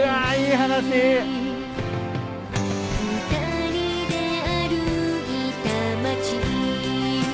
「二人で歩いた街」